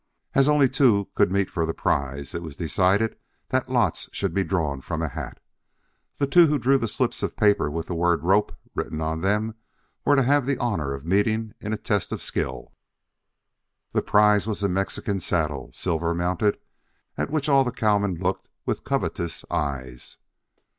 As only two could meet for the prize it was decided that lots should be drawn from a hat. The two who drew slips of paper with the word "rope" written on them, were to have the honor of meeting in a test of skill. The prize was a Mexican saddle, silver mounted, at which all the cowmen looked with covetous eyes.